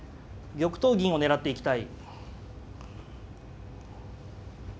玉頭銀を狙っていきたい。